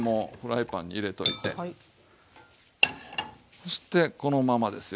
そしてこのままですよ。